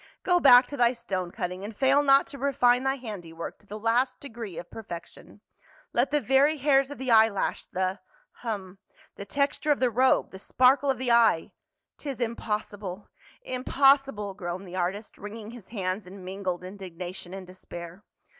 Go back to thy stone cutting, and fail not to refine thy handiwork to the last degree of perfection. Let the very hairs of the eyelash, the — hum — the texture of the robe, the sparkle of the eye —" THE COLOSSUS OF SWOX. 171 "Tis impossible — impossible!" groaned the artist, wringing his hands in mingled indignation and despair.